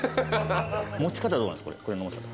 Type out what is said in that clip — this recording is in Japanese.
持ち方どうなんですか？